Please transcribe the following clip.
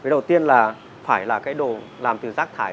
đầu tiên là phải là cái đồ làm từ rác thải